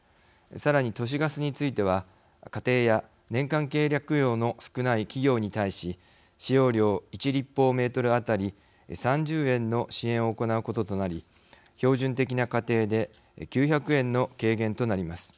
さらに都市ガスについては家庭や年間契約料の少ない企業に対し使用量１立方メートル当たり３０円の支援を行うこととなり標準的な家庭で９００円の軽減となります。